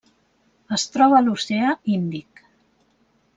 Es troba a l'Oceà Índic.